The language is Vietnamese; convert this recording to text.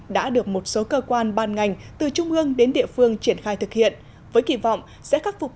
đã được một số cơ quan ban ngành từ trung ương đến địa phương triển khai thực hiện với kỳ vọng sẽ khắc phục